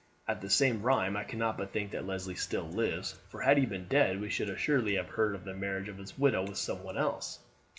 At the same rime I cannot but think that Leslie still lives, for had he been dead we should assuredly have heard of the marriage of his widow with some one else.